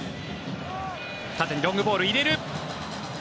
縦にロングボールを入れる。